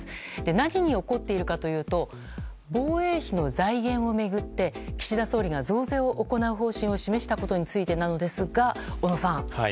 何に怒っているかというと防衛費の財源を巡って岸田総理が増税を行う方針を示したことについてなのですが小野さん。